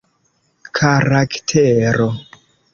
karaktero